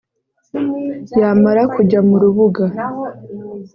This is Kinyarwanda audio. Yamara kujya mu rubuga